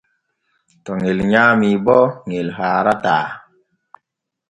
To ŋel nyaami bo ŋel haarataa.